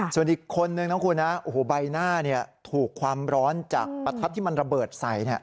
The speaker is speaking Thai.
ส่วนอีกคนนึงนะครับคุณฮะอูหูใบหน้าเนี่ยถูกความร้อนจากประทัดที่มันระเบิดใส่เนี่ย